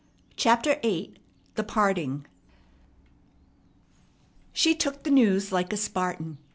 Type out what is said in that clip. CHAPTER VIII THE PARTING She took the news like a Spartan.